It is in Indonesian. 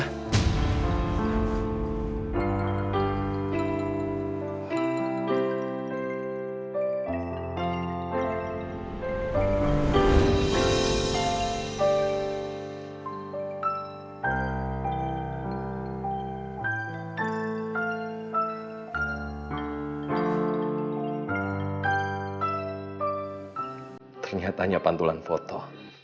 ternyatanya pantulan foto